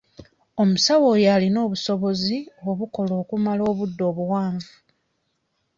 Omusawo oyo alina obusobozi obukola okumala obudde obuwanvu.